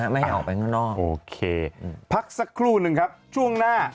ไม่เอาไปนอกโอเคพักสักครู่หนึ่งครับช่วงหน้า